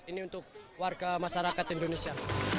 ini untuk warga masyarakat indonesia